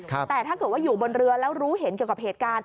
แต่ถ้าเกิดว่าอยู่บนเรือแล้วรู้เห็นเกี่ยวกับเหตุการณ์